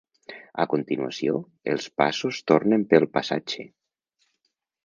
A continuació, els passos tornen pel passatge.